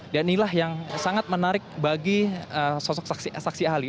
dan inilah yang sangat menarik bagi saksi ahli